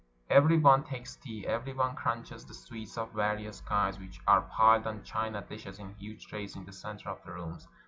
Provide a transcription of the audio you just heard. Every one takes tea, every one crunches the sweets of various kinds which are piled on china dishes in huge trays in the center of the rooms.